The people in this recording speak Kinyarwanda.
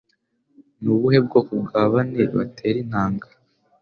Ni ubuhe bwoko bwa bane batera intanga